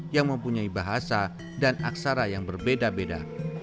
yang mempunyai bahasa dan aksara yang berbeda beda